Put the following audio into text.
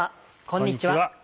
こんにちは。